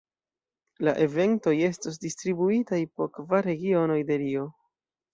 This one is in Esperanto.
La eventoj estos distribuitaj po kvar regionoj de Rio.